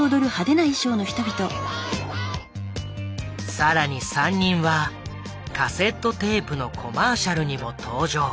更に３人はカセットテープのコマーシャルにも登場。